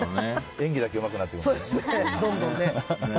演技だけうまくなっていくんだよね。